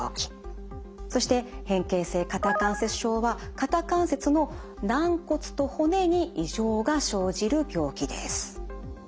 そして変形性肩関節症は肩関節の軟骨と骨に異常が生じる病気です。